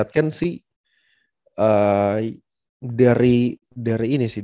but yang perlu ditingkatkan sih dari ini sih